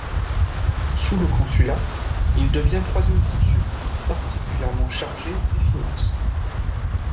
Sous le Consulat, il devient troisième consul, particulièrement chargé des finances.